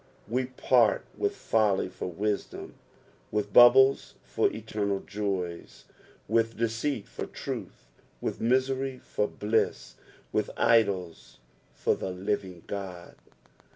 We part with folly for wisdom ; with bubbles fdr eternal joys ; with deceit for truth ; with misery for bliss ; with idols for the living Ood.